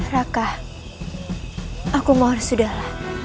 rakah aku mau harus sudahlah